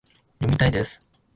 読みたいです